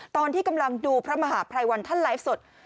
ตอนที่กำลังดูพระมหาภัยวันท่านไลฟ์สด